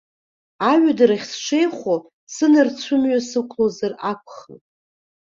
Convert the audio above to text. Аҩадарахь сшеихо сынарцәымҩа сықәлозар акәхап.